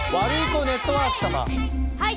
はい。